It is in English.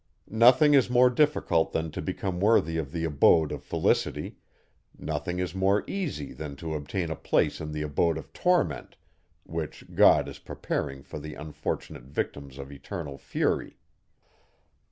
Nothing is more difficult than to become worthy of the abode of felicity; nothing more easy than to obtain a place in the abode of torment, which God is preparing for the unfortunate victims of eternal fury.